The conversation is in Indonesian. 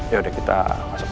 ya udah kita masuk